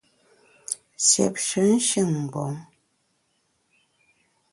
Siépshe nshin-mgbom !